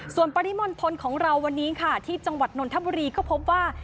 ส่วนปริมณฑลของเราวันนี้ค่ะที่จังหวัดนนทบุรีก็พบว่า